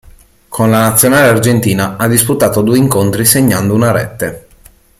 Con la Nazionale argentina ha disputato due incontri segnando una rete.